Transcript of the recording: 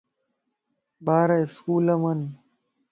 ٻارا اسڪول ام ان